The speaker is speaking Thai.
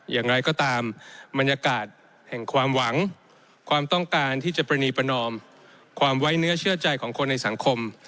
อย่างไรก็ตามบรรยากาศแห่งความหวังความต้องการที่จะปรณีประนอมความไว้เนื้อเชื่อใจของคนในสังคม